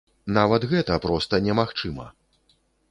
Нават гэта проста немагчыма!